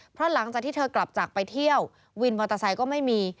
เพราะหลังจากที่เธอกลับจากไปเที่ยววินมอเตอร์ไซค์ก็ไม่มี